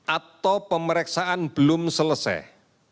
atau pemeriksaan belum selesai